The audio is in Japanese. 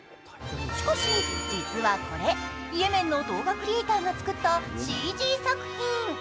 しかし、実はこれイエメンの動画クリエーターが作ったＣＧ作品。